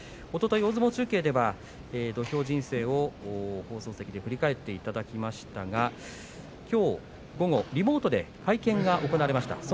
おととい大相撲中継では土俵人生を放送席で振り返っていただきましたがきょう午後、リモートで会見が行われました。